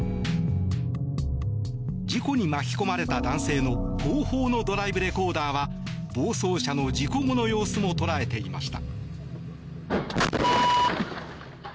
事故に巻き込まれた男性の後方のドライブレコーダーは暴走車の事故後の様子も捉えていました。